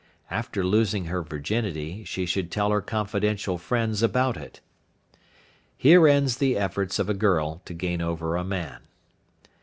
After losing her virginity she should tell her confidential friends about it. Here ends the efforts of a girl to gain over a man.